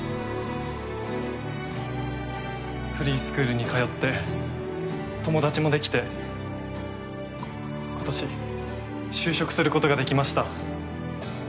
フリースクールに通って友達も出来て今年就職することができました。